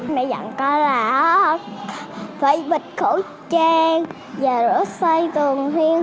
mẹ dặn coi là phải bịt khẩu trang và rửa xoay tường thiên hợp